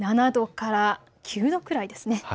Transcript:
７時から９度くらいです。